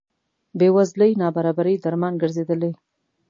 بې وزلۍ نابرابرۍ درمان ګرځېدلي.